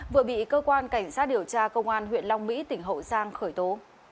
vừa bị cơ quan cảnh sát điều tra công an huyện long mỹ tỉnh hậu giang khởi tố